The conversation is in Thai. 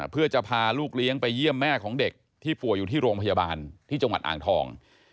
เพื่อจะพาลูกเลี้ยงไปเยี่ยมแม่ของเด็กที่ป่วยอยู่ที่โรงพยาบาลที่จังหวัดอ่างทอง